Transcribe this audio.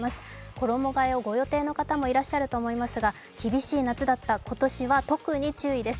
衣がえをご予定の方もいらっしゃると思いますが厳しい夏だった今年は特に注意です。